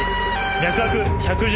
脈拍１１４。